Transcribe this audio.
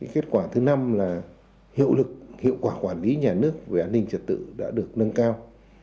kết quả thứ năm là hiệu lực hiệu quả quản lý nhà nước về an ninh trật tự đã được nâng cao